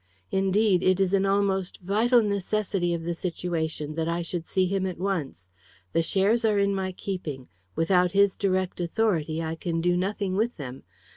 Indeed, it is an almost vital necessity of the situation that I should see him at once. The shares are in my keeping. Without his direct authority I can do nothing with them.